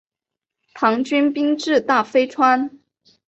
唐军兵至大非川。